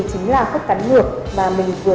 chính là thức cắn ngược mà mình vừa